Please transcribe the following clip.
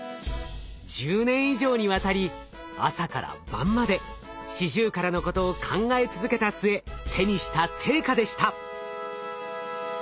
１０年以上にわたり朝から晩までシジュウカラのことを考え続けた末手にした成果でした。